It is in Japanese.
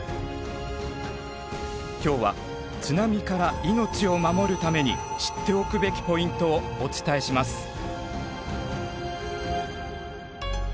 今日は津波から命を守るために知っておくべきポイントをお伝えします。